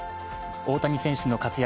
大谷選手の活躍